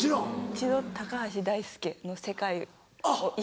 一度高橋大輔の世界を一緒に。